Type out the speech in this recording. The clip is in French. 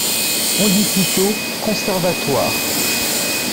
On dit plutôt "Conservatoire".